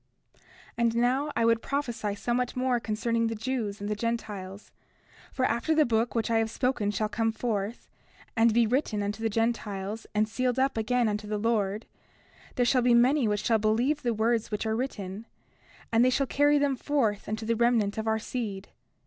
30:3 And now, I would prophesy somewhat more concerning the Jews and the Gentiles. For after the book of which I have spoken shall come forth, and be written unto the Gentiles, and sealed up again unto the Lord, there shall be many which shall believe the words which are written; and they shall carry them forth unto the remnant of our seed.